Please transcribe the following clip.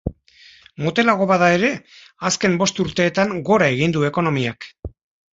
Motelago bada ere, azken bost urteetan gora egin du ekonomiak.